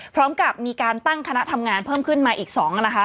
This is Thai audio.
พร้อมกับมีการตั้งคณะทำงานเพิ่มขึ้นมาอีก๒นะคะ